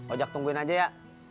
ojek tungguin aja ya